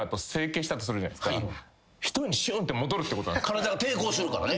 体が抵抗するからね。